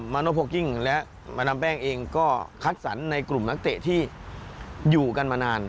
โนโพลกิ้งและมาดามแป้งเองก็คัดสรรในกลุ่มนักเตะที่อยู่กันมานาน